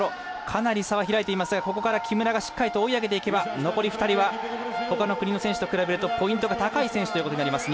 かなり差が開いていますがここから木村がしっかりと追い上げていけば残り２人はほかの国の選手と比べるとポイントが高い選手ということになります。